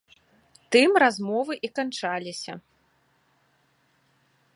Тым размовы і канчаліся.